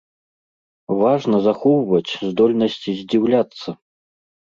Важна захоўваць здольнасць здзіўляцца.